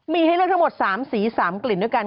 มีให้เลือกทั้งหมด๓สี๓กลิ่นด้วยกัน